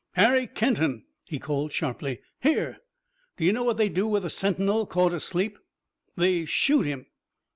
"Harry Kenton!" he called sharply. "Here!" "Do you know what they do with a sentinel caught asleep?" "They shoot him!"